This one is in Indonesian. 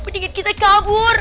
peningin kita kabur